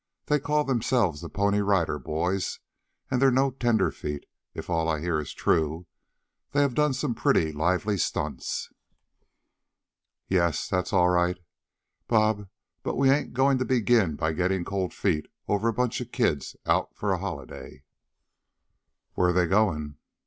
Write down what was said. They call themselves the Pony Rider Boys; and they're no tenderfeet, if all I hear is true. They have done some pretty lively stunts." "Yes, that's all right, Bob, but we ain't going to begin by getting cold feet over a bunch of kids out for a holiday." "Where they going?"